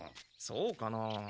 そうかなあ？